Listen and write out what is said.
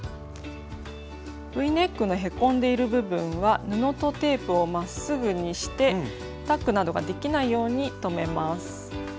Ｖネックのへこんでいる部分は布とテープをまっすぐにしてタックなどができないように留めます。